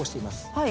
はい。